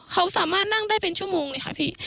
เขาสามารถนั่งได้เป็นชั่วโมงเลยค่ะพี่